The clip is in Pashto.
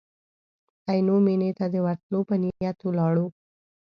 عینو مېنې ته د ورتلو په نیت ولاړو.